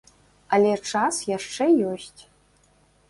Але час яшчэ ёсць.